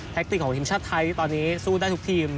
ติกของทีมชาติไทยที่ตอนนี้สู้ได้ทุกทีม